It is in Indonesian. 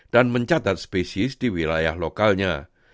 dan mencatat spesies di wilayah lokalnya